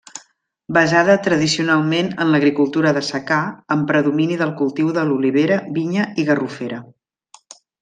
Basada tradicionalment en l'agricultura de secà amb predomini del cultiu de l'olivera, vinya i garrofera.